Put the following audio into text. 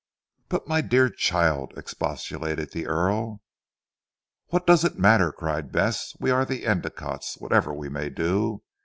"But my dear child!" expostulated the Earl. "What does it matter?" cried Bess. "We are the Endicottes whatever we may do.